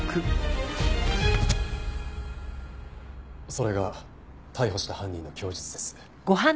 それが逮捕した犯人の供述です。